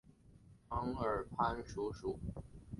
长耳攀鼠属等之数种哺乳动物。